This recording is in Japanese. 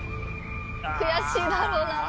悔しいだろうな。